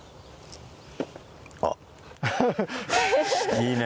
いいね。